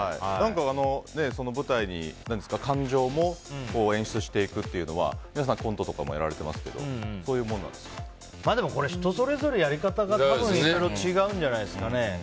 舞台に感情も演出していくというのは皆さん、コントとかもやられてますけど人それぞれやり方が違うんじゃないんですかね。